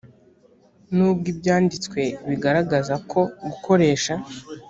n ubwo ibyanditswe bigaragaza ko gukoresha